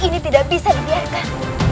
ini tidak bisa dibiarkan